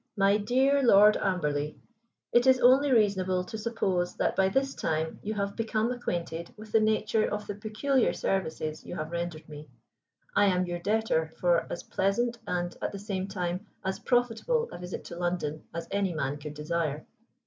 _ MY DEAR LORD AMBERLEY, "It is only reasonable to suppose that by this time you have become acquainted with the nature of the peculiar services you have rendered me. I am your debtor for as pleasant, and, at the same time, as profitable a visit to London as any man could desire.